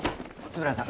円谷さん